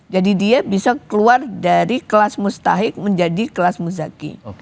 dia bisa keluar dari kelas mustahik menjadi kelas muzaki